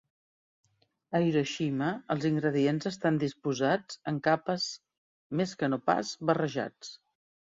A Hiroshima, els ingredients estan disposats en capes més que no pas barrejats.